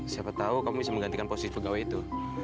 siapa tahu kamu bisa menggantikan posisi pegawai itu